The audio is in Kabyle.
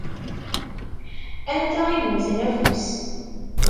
Anta i yewwten afus?